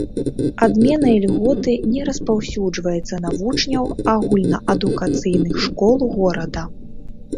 Адмена ільготы не распаўсюджваецца на вучняў агульнаадукацыйных школ горада.